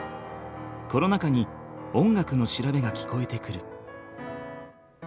コロナ禍に音楽の調べが聞こえてくる。